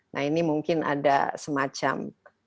nah ini mungkin ada semacam